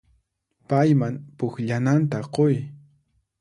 Payman pukllananta quy.